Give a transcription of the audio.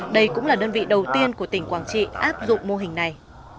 đây cũng là đơn vị đầu tiên của tỉnh quảng trị áp dụng mô hình này